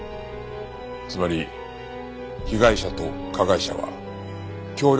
つまり被害者と加害者は協力関係にあった。